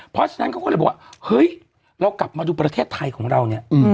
เพราะฉะนั้นเขาก็เลยบอกว่าเฮ้ยเรากลับมาดูประเทศไทยของเราเนี่ย